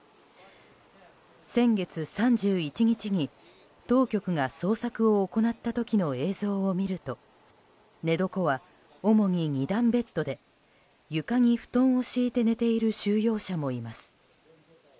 先月３１日に当局が捜索を行った時の映像を見ると寝床は、主に２段ベッドで床に布団を敷いて寝ている収容者もいます。